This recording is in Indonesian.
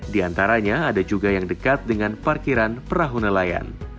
di antaranya ada juga yang dekat dengan parkiran perahu nelayan